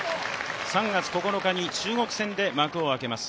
３月９日に中国戦で幕を開けます